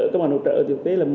các bà nội trợ thực tế